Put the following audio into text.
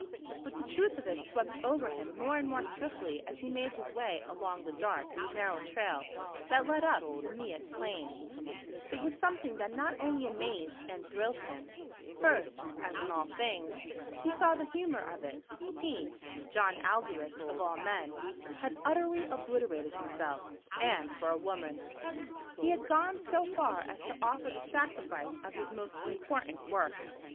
But the truth of it swept over him more and more swiftly as he made his way along the dark, narrow trail that led up to the Miette Plain. It was something that not only amazed and thrilled him. First as in all things he saw the humour of it. He, John Aldous of all men, had utterly obliterated himself, and for a woman. He had even gone so far as to offer the sacrifice of his most important work.